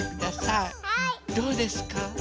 どうですか？